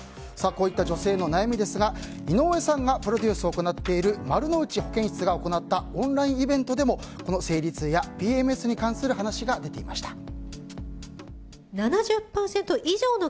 こういった女性の悩みですが井上さんがプロデュースを行っているまるのうち保健室が行ったオンラインイベントでも生理痛やＰＭＳに関する話が出ていました。